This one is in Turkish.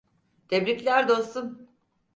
Tebrikler dostum.